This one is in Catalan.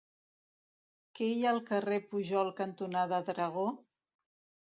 Què hi ha al carrer Pujol cantonada Dragó?